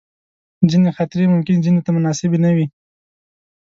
ځینې خاطرې ممکن ځینو ته مناسبې نه وي.